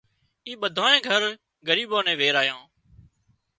اِي ٻڌانئي گھر ڳريبان نين ويرايان